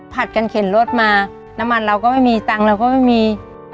กันเข็นรถมาน้ำมันเราก็ไม่มีตังค์เราก็ไม่มี